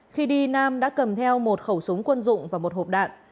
khi đi nam đã cầm theo một khẩu súng quân dụng và một hộp đạn